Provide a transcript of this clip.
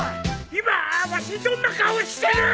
今わしどんな顔してる！？